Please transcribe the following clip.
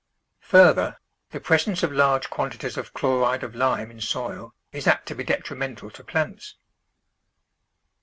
Further, the presence of large quantities of chloride of lime in soil is apt to be detrimental to plants.